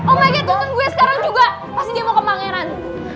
omg tonton gue sekarang juga pasti dia mau ke pangeran